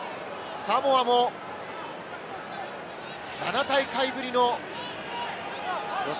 サモアも７大会ぶりの予選